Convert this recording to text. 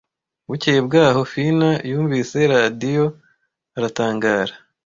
Bukeye bwaho Fina yumvise radiyo aratangara